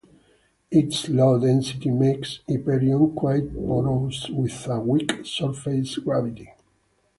Its low density makes Hyperion quite porous, with a weak surface gravity.